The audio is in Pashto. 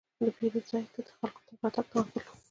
د پیرود ځای ته د خلکو تګ راتګ دوام درلود.